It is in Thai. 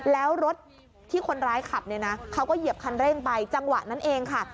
แล้วรถที่คนร้ายขับเนี่ยนะเขาก็เหยียบคันเร่งไปจังหวะนั้นเองค่ะ